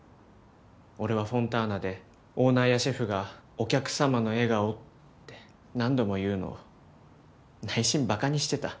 俺はフォンターナでオーナーやシェフが「お客様の笑顔」って何度も言うのを内心バカにしてた。